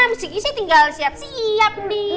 miss kiki sih tinggal siap siap nih